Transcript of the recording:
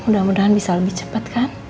mudah mudahan bisa lebih cepat kan